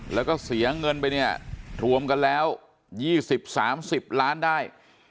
แล้วก็เสียเงินไปเนี่ยถูกกันแล้วยี่สิบสามสิบล้านได้